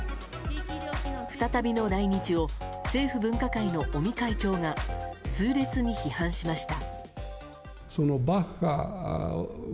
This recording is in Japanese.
再びの来日を政府分科会の尾身会長が痛烈に批判しました。